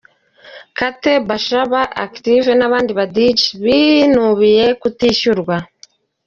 Kate Bashabe, Active n’Aba-Djs binubiye kutishyurwa.